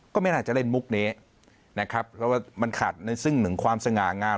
ก็ไม่น่าจะเล่นมุกนี้นะครับเพราะว่ามันขาดในซึ่งหนึ่งความสง่างาม